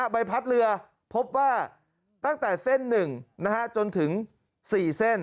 ใบพัดเรือพบว่าตั้งแต่เส้น๑จนถึง๔เส้น